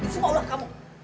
semua ulah kamu